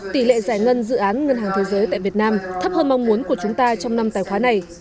tỷ lệ giải ngân dự án ngân hàng thế giới tại việt nam thấp hơn mong muốn của chúng ta trong năm tài khoá này